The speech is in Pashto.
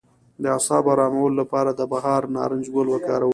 د اعصابو ارامولو لپاره د بهار نارنج ګل وکاروئ